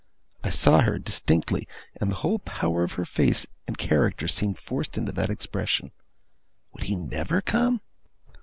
I saw her, distinctly, and the whole power of her face and character seemed forced into that expression. Would he never come?